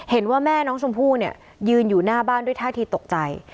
เห็นว่าแม่น้องชมพู่เนี่ยยืนอยู่หน้าบ้านด้วยท่าทีตกใจ